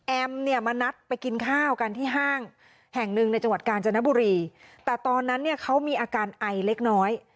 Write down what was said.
เนี่ยมานัดไปกินข้าวกันที่ห้างแห่งหนึ่งในจังหวัดกาญจนบุรีแต่ตอนนั้นเนี่ยเขามีอาการไอเล็กน้อย